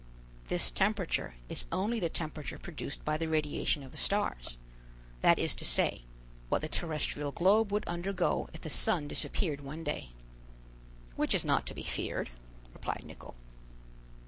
This temperature is only the temperature produced by the radiation of the stars; that is to say, what the terrestrial globe would undergo if the sun disappeared one day." "Which is not to be feared," replied Nicholl.